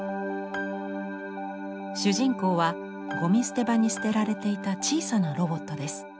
主人公はゴミ捨て場に捨てられていた小さなロボットです。